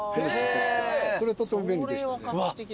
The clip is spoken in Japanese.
それとっても便利でしたね。